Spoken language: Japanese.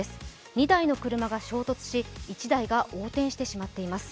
２台の車が衝突し、１台が横転してしまっています。